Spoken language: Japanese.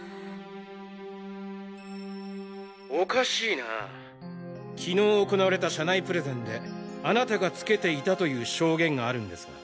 おかしいな昨日行われた社内プレゼンであなたがつけていたという証言があるんですが。